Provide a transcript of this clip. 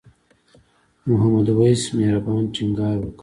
محمد وېس مهربان ټینګار وکړ.